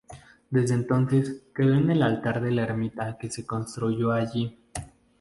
Desde entonces quedó en el altar de la ermita que se construyó allí.